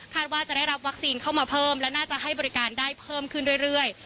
ว่าจะได้รับวัคซีนเข้ามาเพิ่มและน่าจะให้บริการได้เพิ่มขึ้นเรื่อย